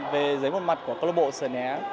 về giấy một mặt của club sở nẻ